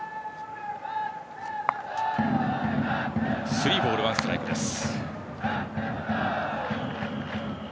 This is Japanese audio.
スリーボールワンストライクです。